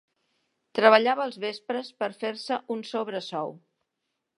Treballava els vespres per fer-se un sobresou.